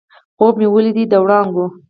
خوب مې ولیدی د وړانګو